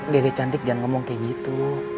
dede cantik jangan ngomong kayak gitu